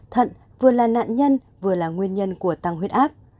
thận vừa là nạn nhân vừa là nguyên nhân của tăng huyết áp